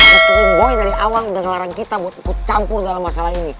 meskipun boy dari awal udah ngelarang kita buat ikut campur dalam masalah ini